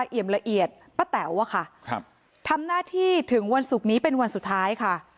เอี่ยมละเอียดป้าแต๋วอะค่ะครับทำหน้าที่ถึงวันศุกร์นี้เป็นวันสุดท้ายค่ะ